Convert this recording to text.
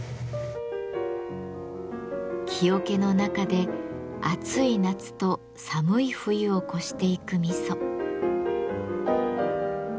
木桶の中で暑い夏と寒い冬を越していく味噌。